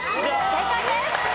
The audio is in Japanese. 正解です。